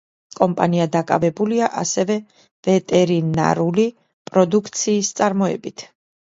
კომპანია დაკავებულია ასევე ვეტერინარული პროდუქციის წარმოებით.